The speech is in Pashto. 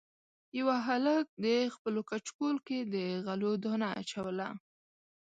یوه هلک د خپلو کچکول کې د غلو دانه اچوله.